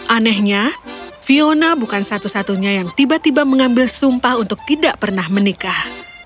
anehnya fiona bukan satu satunya yang tiba tiba mengambil sumpah untuk tidak pernah menikah